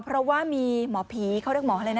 เพราะว่ามีหมอผีเขาเรียกหมออะไรนะ